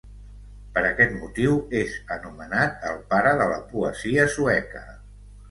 Per aquest motiu, és anomenat el pare de la poesia sueca.